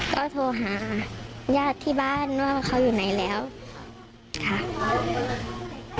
ก็โทรหาญาติที่บ้านว่าเขาอยู่ไหนแล้วค่ะ